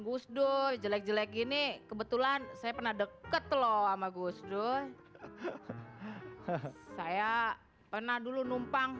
gus dur jelek jelek gini kebetulan saya pernah deket loh sama gus dur saya pernah dulu numpang